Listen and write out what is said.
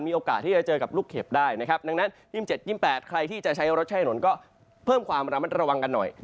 มีโอกาสที่จะเจอกับลูกเข็บได้นะครับดังนั้น๒๗๒๘ใครที่จะใช้รถใช้ถนนก็เพิ่มความระมัดระวังกันหน่อย